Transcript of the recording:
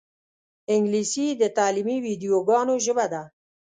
انګلیسي د تعلیمي ویدیوګانو ژبه ده